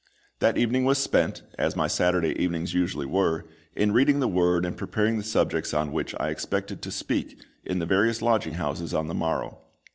That evening was spent, as my Saturday evenings usually were, in reading the Word and preparing the subjects on which I expected to speak in the various lodging houses on the morrow.